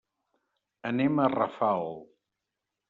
Anem a Rafal.